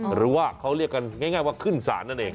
หรือว่าเขาเรียกกันง่ายว่าขึ้นศาลนั่นเอง